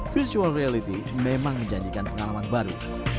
virtual reality memang menjanjikan pengalaman baru